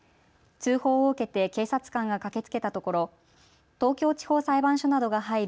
通報を受けて警察官が駆けつけたところ東京地方裁判所などが入る